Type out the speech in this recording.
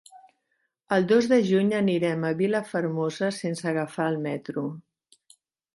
El dos de juny anirem a Vilafermosa sense agafar el metro.